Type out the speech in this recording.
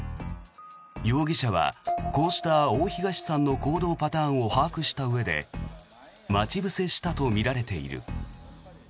容疑者は、こうした大東さんの行動パターンを把握したうえで待ち伏せしたとみられている。